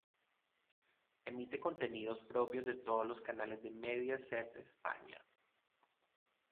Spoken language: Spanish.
Emite contenidos propios de todos los canales de Mediaset España.